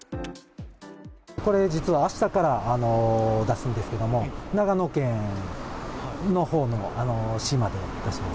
これ、実はあしたから出すんですけども、長野県のほうのしまで出します。